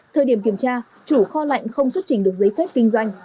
thời điểm kiểm tra chủ kho lạnh không xuất trình được giấy phép kinh doanh